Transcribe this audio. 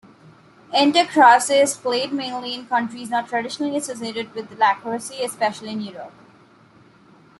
Intercrosse is played mainly in countries not traditionally associated with lacrosse, especially in Europe.